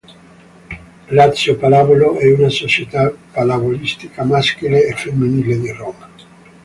Lazio Pallavolo è una società pallavolistica maschile e femminile di Roma.